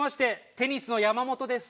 テニスの山本です。